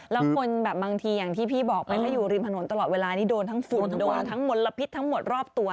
แล้วคนแบบบางทีอย่างที่พี่บอกไปถ้าอยู่ริมถนนตลอดเวลานี้โดนทั้งฝุ่นโดนทั้งมลพิษทั้งหมดรอบตัว